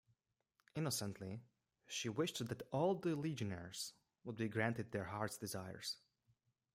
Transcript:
Innocently, she wished that all the Legionnaires would be granted their heart's desires.